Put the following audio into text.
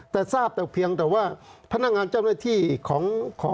แต่ทราบแต่เพียงแต่ว่าพนักงานเจ้าหน้าที่ของ